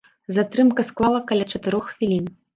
Затрымка склала каля чатырох хвілін.